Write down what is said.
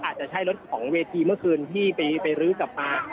อาจจะใช่รถของเวทีเมื่อคืนที่ไปรื้อกลับมา